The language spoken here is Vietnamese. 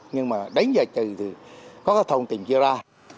nhưng mà đánh giá trừ thì có các thông tìm chia ra